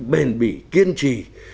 bền bỉ kiên trì